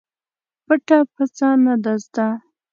پټه پڅه نه ده زده.